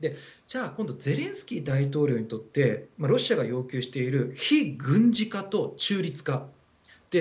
じゃあ今度はゼレンスキー大統領にとってロシアが要求している非軍事化と中立化。